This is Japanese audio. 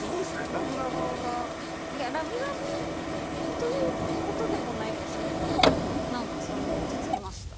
ラブラブということでもないんですけど何かそれに落ち着きました。